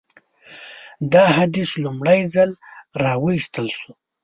دا حدیث لومړی ځل راوایستل شو.